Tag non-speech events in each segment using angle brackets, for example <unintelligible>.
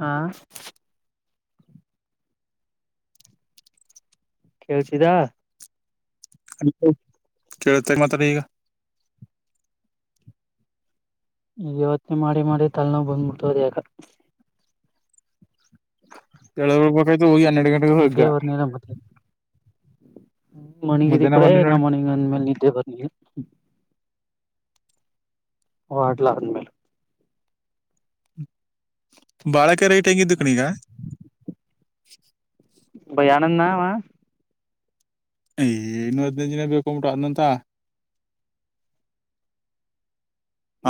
ಹಾ ಕಳ್ಚದ ಹ ಕೇಳ್ತ ಮಾತ್ರ ಗ ಈಗ ಯವತ್ತನ ಮಾಡಿ ಮಾಡಿ ತಲ್ನೋವು ಬಂದ್ಬಿಡ್ಟ್ಟದ ಯಾಕತ್ ಕೆಳ ಹಳ್ಬೇಕಾಯ್ತು ಹೋಗಿ ಹನ್ನೆರಡು ಗಂಟೆೆಗೆ ಹಗ್ಗ ಹ್ಮ ಮಣಿಗಿದ ಕೂಡ ಬಂದಿ ನಾ ನೋಡಿ ಮಣಿಗ ಅಂದ್ಮೇಲೆ ನಿಿದ್ದೆ ಬರ್ ಹ ಆಟಲ ಮೇಲೆ ಬಾಳಕ ರೈಟ್ ಹೆಂಗಿದ್ದು ಕಣೀಗ ಭಯನಂದ ನ ಹಾ ಏ ಇನ್ನುೂ ಹದ್ನೈದು ದಿನ ಬೇಕು್ಬಟು ಅದ್ನಂತ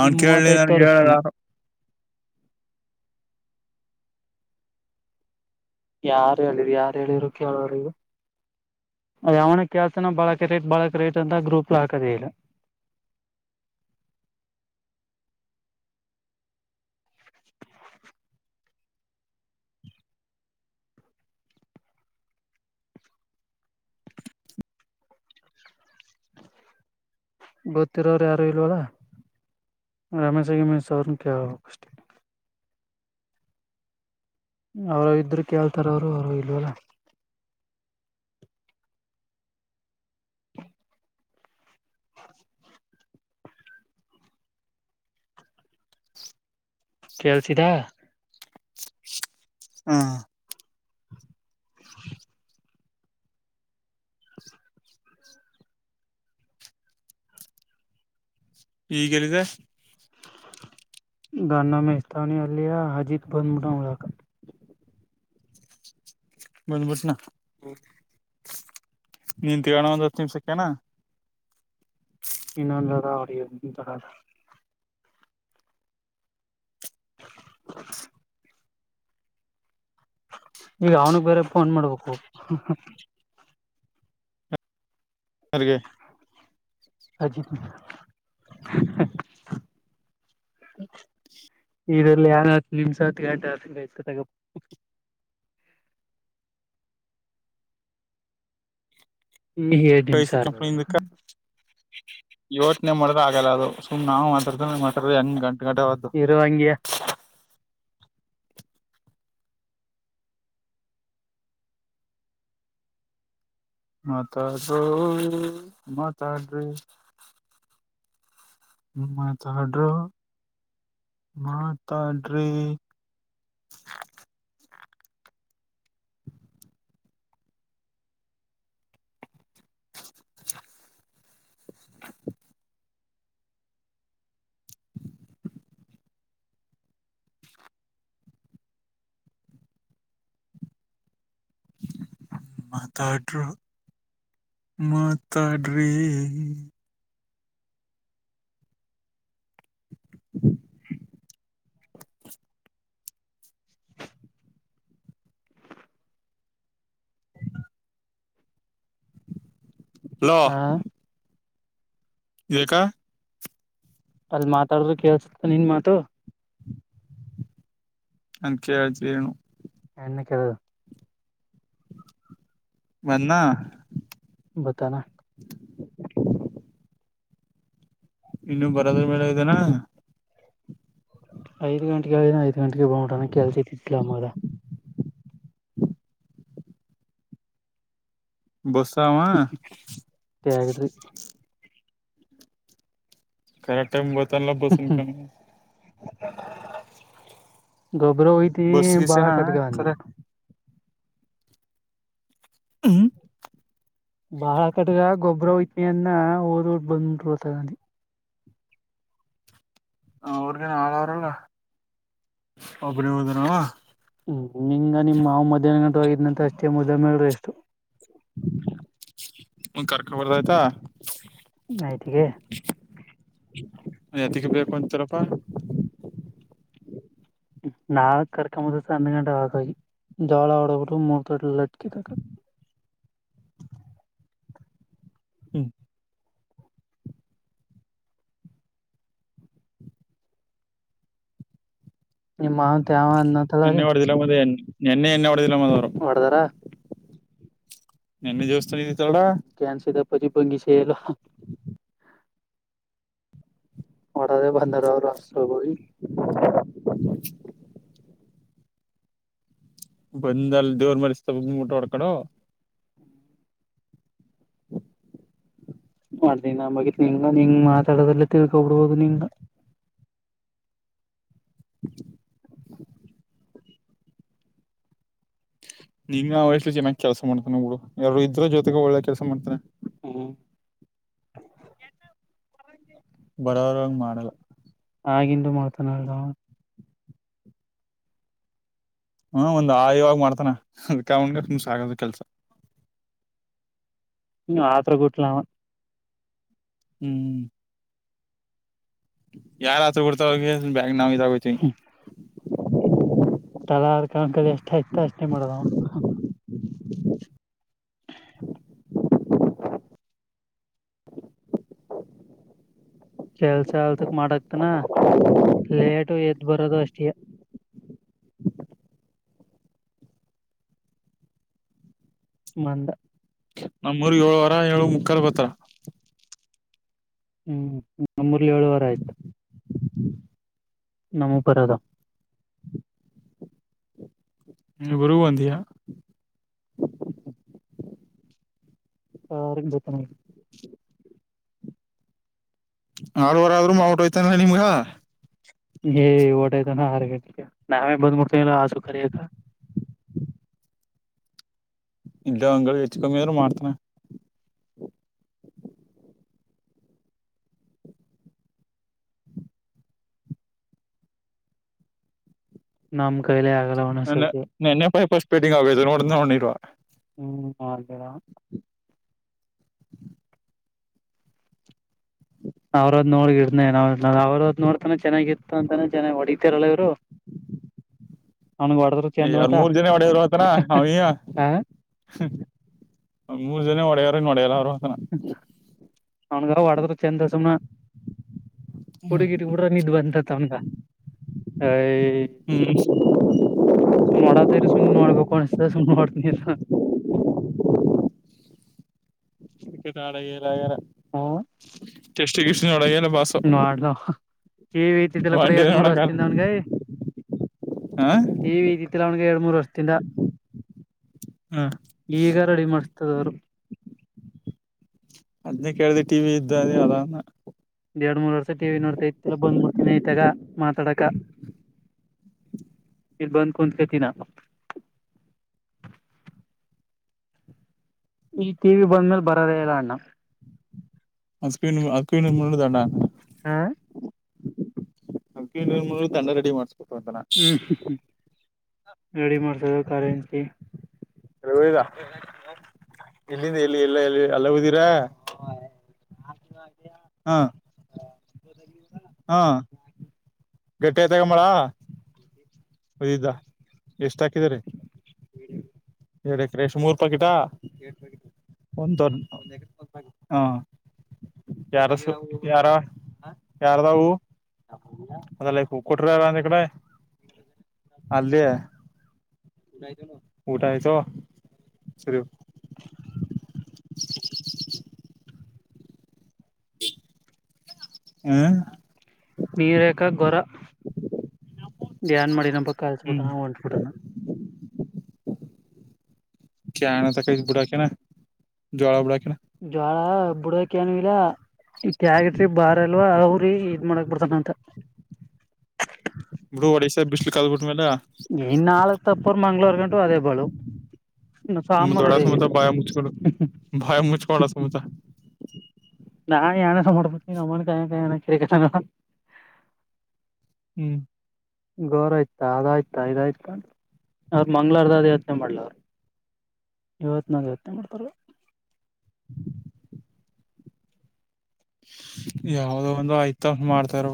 ಇಲ್ ಕೇಳಲಿ ಮೂವತ್ತೈದ್ ನನ್ಗೆ ಹೇಳ ತೋರಿಸ್ತಾನ ಯಾರು ಹೇಳಿರಿ ಯಾರು ಹೇಳಿರು ಕೇಳೋ್ರಿಗ ಯನ ಕ್ಯಾಸನ ಬಾಳಕೆ ರೇಟ್ ಬಾಳಕ ರೇಟ್ ಅಂತ ಗ್ರೂಪ್ಲ್ ಹಾಕದೇ ಇಲ್ಲ ಹ್ಮ್ ಗೊತ್ತಿರರು ಯಾರು ಇಲ್ವಲ್ಲ ರಮ ಸಗ ಮ ಸ ಕಷ್ಟ ಅವರು ಇದರು ಕೇಳ್ತಾರ ಅವರು ಅವರು ಇಲ್ವಲ್ಲ ಹ ಹ ಕೇಲ್ಸಿದಾ ಹಾ ಈಗನಿದೆ ಗನ್ನ ಮೇಸ್ತಾವಾನಿ ಅಲ್ಲಿಯ ಅಜಿತ್ ಬಂದ್ಬಿಡ ಉಳಕ ಬಂದು ಬಸ್ ನ ನೀನ್ ತಿಗೋಣ ಒಂದ್ ಹತ್ತು ನಿಮಿಷಕ್ಕೆನಾ ಇನ್ನೊಂದದ ಅವ್ರಂತರ ಹ್ಮ್ ಹತ್ ಈಗ ಅವನು ಬೇರೆ ಫೋನ್ ಮಾಡ್ಬೇಕು ಸರಿಗ ಅಜತ್ ಇದಲ್ಲಿ ಏನ್ ನಿಮ್ಸ ಹತ್ ಗಟ ತಗ ಹ ಹಡಮ ಸರ್ ಟನೇ ಮಾಡ್ದ ಆಗಲ್ಲ ಅದು ಸುಮ್ ನಾವು ಮಾತ ಮಾತ ಹ ಗಂಟೆ ಗಂಟೆ ಅವತ್ತು ಇರುವೋ ಹಂಗಯ ಮಾತಾಡರು ಮಾತಾಡ್ರಿ ಮಾತಡ್ರ ಮಾತಾಡ್ರೆ ಹಬ್ ಮಾತಾಡರು ಮಾತಡ ಹಾ ಏಕ ಅವ್ರ್ಗೆ ಮಾತಾಡ್ರರು ಕೇಳ್ಸತ್ತ ನಿನ್ ಮಾತು. ನನ್ ಕೇಳ್ಸಿ ಏನು. ಎಣ್ಣೆ ಕೇಳು ನನ್ನ ಬತ್ತಾನ ಇನ್ನು ಬರದು ಮೇಲೆ ಇದ್ದಾನ. ಐದ್ ಗಂಟೆಗೆ ಹೋಗೋಣ ಐದ್ ಗಂಟೆಗೆ ಹೋಗೋಣ ಕೆಲ್ಸ ಸಿಕ್ರೆ ಅಮ್ಮಾವ್ರ. ಬಸ್ಸು ಅವ. ಆಗಿದ್ರಿ ಕರೆಕ್ಟ ಟೈಮಿಗೆ ಬರ್ತಾನಲ್ಲ ಬಸ್ ಹ್ಮ್ ಇನ್ಕಂಡಿದೀನಿ. ಗೊಬ್ಬರ ವೊಯ್ತೀವಿ ಬಾಳ್ ಕಟ್ಗನ್ನ. ಕರೆ ಹ್ಮ್ ಬಾಳ ಕಟಕ ಗೊಬ್ಬರವೊಯ್ತೀನಿ ಅಂದ ಓದು ಓದು ಬಂದ್ ನಿಂತ್ಕಂತ್ವಾನಿ. ಅವ್ರಗೆನು ಆಳು ಅವ್ರಲ್ಲ ಒಬ್ಬನೇ ಹೋದನವಾ. ಹ್ಮ್ ಹ್ಮುಇಲ್ಲ ನಿಮ್ ಮಾಮ್ ಮಧ್ಯಾಹ್ನ ಗಂಟ ಹೋಗಿದ್ ನಂತೆ ಅಷ್ಟೇ ಮದುವೆ ಮಾಡಿ. ಕರ್ಕೊಬಾರ್ದ ಆಯ್ತಾ. ನೆತ್ತಿಗೆ ಯಾತಕ್ಕೆ ಬೇಕು ಅಂತಿರಪ್ಪ. ನಾ ಕರ್ಕೊಂಬದೇ ಸಂನ್ಗಂಟ ಹ ಹೋಗಿ. ಜಗಳ ಆಡೋರು ಮುಖ ಕೀಳಕ್ಕೆ ಕಿತಾಕುದ್ರು. ಹ್ಮ್ ನಿಮ್ಮ ಮಾವಂತ ಯಾವ ಅನ್ನತಳ ಎಣ್ಣಿ ರೀ ಹೊಡೆದಿಲ್ಲ ಮಾದೇ ಎನ್ನಿ ಎಣ್ಣಿ ಹೆಂಗ ಒಡೆದಿಲ್ಲ ಮಾದೇ ಹೊಡದಾರ ನಿನಗೆ ಎಷ್ಟು ಉಳಿಯಿತ್ತು ತೋಡ. ಪಜು ಬಂಗಿಶೇ ಎಲ್ಲ ಹಾ. ಅಡವಿ ಬಂದಳೋಕ ಸುರಭಿ. <unintelligible> ಬಂದ ಅಲ್ ದೇವ್ರ ಮರ್ಸ್ತ ಮೂಟೆ ಹೊಡ್ಕಳೋ. ಮಾಲಿಂಗ ಮೊದಲುನಿಂಗ ಹಿಂಗು ಮಾತಾಡದಲ್ಲ ತಿಳ್ಕೋಬಿಡ್ಬೋದು ನಿನ್ನ. ನಿಂಗ್ ಆ ವಯಸ್ಸಲಿ ಚೆನ್ನಾಗಿ ಕೆಲಸ ಮಾಡ್ಕೊಂಡ್ ಹೋಗು ಯಾರು ಇದ್ರೂ ಜೊತೆಗೆ ಒಳ್ಳೆ ಕೆಲ್ಸ ಮಾಡ್ತಾನೆ. ಹ್ಮ್ ಬರೋರ್ ಹಂಗ್ ಮಾಡಲ್ಲ. ಆಗಿಂದು ಮಾಡ್ತಾನಲ್ಲೋ. ಹ್ಮ ಒಂದ್ ಹಾಯುವಾಗಿ ಮಾಡ್ತಾನೆ ಅದ್ಕೇ ಅವನಿಗೆ ತುಂಬು ಸಾಗದು ಕೆಲ್ಸ. ಇನ್ನು ಆತ್ರೂ ಗುಚ್ಚು ಲವ. ಹೀ ಯಾರ್ ಆತ್ರುಗುಡ್ತ ಹೋಗಿ ಬ್ಯಾಗ್ ನಾವ್ ಇದಗೋತಿವಿ. ಕಿಮಳದ <unintelligible> ಕೆಲ್ಸ ಅಲ್ಸಕ್ ಮಾಡಕ್ತಿನಾ ಲೇಟು ಎದ್ ಬರೋದು ಅಷ್ಟೇಯ. <inaudible> ಮಂದ ನಮ್ಮೂರ್ ಏಳುವರೆ ಏಳು ಮುಕ್ಕಾಲ್ ಬತ್ರಾ. ಹ್ಮ್ ನಮ್ಮೂರಲ್ಲಿ ಏಳುವರೆ ಆಯ್ತಾ. ನಮ್ಮ ಪರದಾ ನೀ ಗುರುವಂದಿಯಾ ಹ್ಮು ಕಾರಿನ್ ಜೊತೆನಲ್ಲಿ. ಆರೂವರೆ ಆದ್ರೂ ಮಾಡ್ಬಿಟ್ಟು ಹೋಯ್ತಾ ನಲ್ಲ ನಿಮಗ. ಏ ಓಟೋಯುತನ ಆರೂಗಂಟೆಗೆ ನಾವೇ ಬಂದ್ ಮುಡ್ತೀ ಇಲ್ಲ ಆಸುಖರಿಯತ. ಇದ್ದ ಅಂದ್ರೆ ಹೆಚ್ಚು ಕಮ್ಮಿ ಅದ್ರೂ ಮಾಡ್ತಾನ. ನಮ್ ಕೈಲೆ ಆಗ ನನ್ನ ನೆನ್ನೆ ಪೈಫಸ್ಪೇಟಿಂಗ ನೋಡ್ದ ನೋಡಿಲ್ವಾ. ಹ್ಮ್. <unintelligible> ಅವ್ರದ್ ನೋಡ್ ಇನೇ ಅವ್ರದ್ ನೋಡ್ತಾನ ಚೆನ್ನಾಗಿತ್ತು ಅಂತಾನೆ ಚೆನ್ನಾಗಿ ಹೊಡಿತಾರಲ್ಲ ಇವರು. ಚಂದ್ ಯಾರ್ ಮತ ಮೂರ್ ಜನ ಒಡೆಯರು ಹತನ ಅವ್ಯ. ಹ ಮೂರ್ ಜನ ಹೊಡೆಯವ್ರ ನೋಡ್ಯಲ್ಲ ಅವ್ರು. ಆತನ ಅವನಗ ಒಡದ ಚಂದ ದಸಮನ. ಕುಡಿ ಗಿಡಿ ಕಡ್ರ ನಿದ್ದು ಬಂದಂತ ಅವನಿಗೆ. ಹ್ಮ್ ಸುಮ್ಮನೆ ಹೊಡತಿದ್ರ ನೋಡಬೇಕು ಅನಿಸುತ್ತಿರುತ್ತದೆ. <unintelligible> ಕ್ರಿಕೆಟ್ ಹಾಡಗರರ ಹಾ. <unintelligible> ನೋಡ್ಲು ಕಿವ ಐತಿತಿಲ್ಲ ಕೂಡ ಒನ್ ಡೇ ಎರಡ್ ಮೂರ್ ವಷ್ಟ ನೋಡಕಲ್ಲ ತಿಂದ ಅವನ್ಗೈ. ಹಾ ಟಿ ವಿ ಇದಿದ್ದಿಲ್ಲ ಅವನಗೆ. ಮೂರು ವರ್ಷದಿಂದ ಹಾ ಈಗ ರೆಡಿ ಮಾಡ್. <unintelligible> ಅದ್ನೇ ಕೇಳ್ದಿ ಟಿ ವಿ ಇದ್ದ ಅದೇನು ಅದನ್ನು. ಎರಡ್ ಮೂರ್ ವರ್ಷ ಟಿವಿ ನೋಡ್ತಾ ಇತಿಲ್ಲ ಬಂದ್ಬಡ್ತೀನಿ ಐತಾಗ ಮಾತಾಡಕ. ಇರ್ ಬಂದ್ ಕುಂತ್ಕ ತಿದ್ನ. ಈ ಟಿ ವಿ ಬಂದ್ಮೇಲ್ ಬರೋದೇ ಇಲ್ಲ ಅಂತ ಅಂದನ. <unintelligible> ಮುು ತಡ. ಹ ತಂಡ ರೆಡಿ ಮಾಡಸ್ಕೊಟ್ಟ ಅಂತ ನ. ಹ್ಮ್ ರೆಡಿ ಮಾಡ್ತದೆ ಖಾರೆ ಎಂತ. ಎಲ್ಲೋಗಿದ ಎಲ್ಲಿಂದ ಎಲ್ಲಿ ಎಲ್ಲ ಎಲ್ಲಿ ಎಲ್ಲ ಹದಿರ. <unintelligible> ಹಾ. ಹಾ. ಗಟ್ಟಿ ಆಐ್ತಗಮ್ಮಳ. ಹಯ್ದಾ ಎಷ್ಟ ಹಾಕಿದರಿ. ಎ ಕ್ರೇಶ್ ಮೂರುೂ ಪಾಕಿಟಾ. ಒಂದು ಹಾ. ಯಾರ ಯಾರ ಯಾರದ ಅವು. ಅದಲ್ಲ ಕೊಟ್ರಾರಂದ ಕಡೆ ಅಲ್ದ. ಊಟ ಆಯ್ತು ಸರಿ. ಹೂ. ನೀರೇಕ ಗೊರ. ನ್ ಮಾಡಿ ನ ಪಕ್ಕ ಕಲ್ಸಬಿಟಾನ ಹೊಂಟ್ಬಿಟಾನ. ಕೇನ ತಕ ಬುಡಾಕನಾ ಜೋಳ ಬುಡಾಕ. ಜ್ವಾಳ ಬುಡಕನ್ ಏನು ಇಲ್ಲ. ಇ ಯಾಗಟಿ ಬಾರ್ ಅಲ್ವಾ ಅವ್ರಿ ಇದ್ ಮಾಡಕ್ ಬಿರ್ತಾನಂತ. ಬಿ ಒಡ್ಸೇ ಬಿಸ್ಲು ಕಲ್ಬಿಟ್ಟ ಮೇಲೆ. ಇನ್ ನಾಳ ತಪ್ಪರ್ ಮಂಗ್ಳೂರ್ ಗಂಟು ಅದೇ ಬಾಳು. ನ ಸಾಂಬಾರ ದೊಡ ಅವರು ಹೇಗಿದೆ. ಸಮೇತ ಬಾಯ ಮುಚ್ಕೊಂಡು ಬಾಯ ಮುಚ್ಕೊಂಡ ಸಮೇತ ನಾನ ಯನ ಸಂಬಡ್ತೀ ನಮ್ಮ ಕಾಯಕಯ ಅನ್ನೋ ಕೇರಿ ಕಥನ. ಹ್ಮ್. ಗೋರ ಆಯ್ತ ಅಾಯಯ್ತ ಐದಾಯ್ತ ಅವ್ರರು ಮಂಗ್ಗಳಾರದ ಅ ಯಾತ್ನೆ ಮಾಡ್ಲ ಅವ್ರು. ಇವತ್ತು ನಾಗ ಯತ್ತನ ಮಾಡ್ತಾರ. ಯಾವದೋ ಒಂದು ಆಯ್ತಾ ಮಾಡ್ತಾರೋ.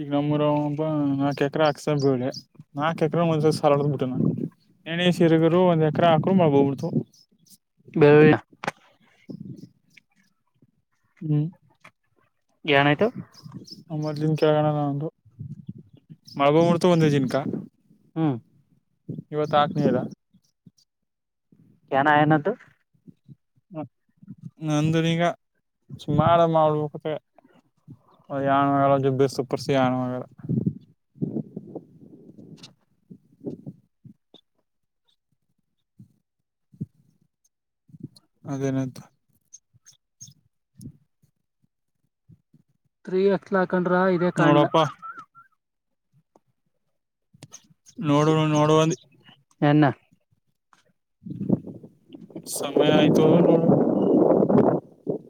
ಈಗ ನಮ್ಮೂರ ಒಬ್ಬ ನಾಕಕ್ ಎಕರೆ ಹಾಕ್ಸ ಬಳೆ ನಾಕಕ್ ಎಕರೆ ಒಂದ್ಸ ಸಾಲಾಡ್ ಬಿಟ್ಟು ನ. ನಣೇ ಸೀರಗರು ಒಂದ್ ಎಕ್ರ ಹಕರು ಮಾಡಬೋಬಿಡ್ತು. <unintelligible> ಬೆಳ. <inaudible> ಹ್ಮ್ ಏನಾಯ್ತು ಅಮರ್ಲಿ ಕೆಳಗಣ ಒಂದು ಮಳಗೋಬಡ್ತು ಒಂದ ಜಿನಕ ಹ್ಮ್ ಇವತ್ಕ್ನೇರ ಕನ ಆಯನ ತು ಹ್ಮ ನಂದ್ರ ಈಗ ಮಾಡ ಮಾಡಬೇಕ ಯ ಸುಪರ್ಸಿ ಆೋ ಮ ಅದೇನಂತ ತ್ರೀ ಅಸ್ಲಾಕನ್ ಇದೇ ಕಾಣ್ಲ ನೋಡಪ್ಪ ನೋಡು ನೋಡುುವಂದ <inaudible> ಸಮಯ ಆಯ್ತು